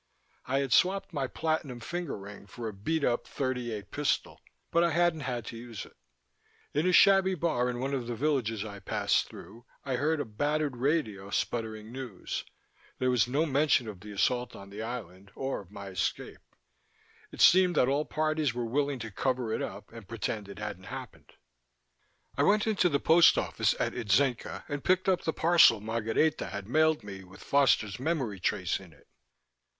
I had swapped my platinum finger ring for a beat up .38 pistol, but I hadn't had to use it. In a shabby bar in one of the villages I passed through I had heard a battered radio sputtering news; there was no mention of the assault on the island, or of my escape. It seemed that all parties were willing to cover it up and pretend it hadn't happened. I went into the post office at Itzenca and picked up the parcel Margareta had mailed me with Foster's memory trace in it.